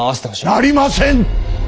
なりません！